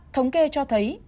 thống kê cho thấy